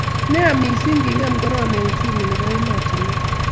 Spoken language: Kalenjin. ne ya mising kingem korona uchumi nebo ematunwek